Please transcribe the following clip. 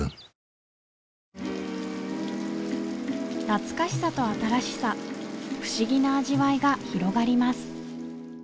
懐かしさと新しさ不思議な味わいが広がります